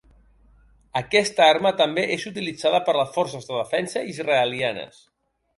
Aquesta arma també és utilitzada per les Forces de Defensa Israelianes.